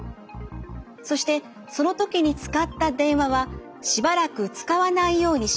そしてその時に使った電話はしばらく使わないようにします。